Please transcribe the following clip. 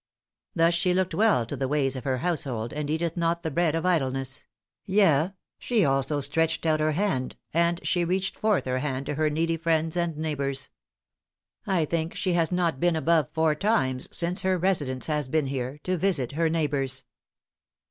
Thus she looketh well to the ways of her household, and eateth not the bread of idleness; yea, she also stretcheth out her hand, and she reacheth forth her hand to her needy friends and neighbors. I think she has not been above four times since her residence has been here, to visit her neighbors."